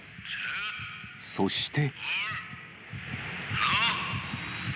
そして。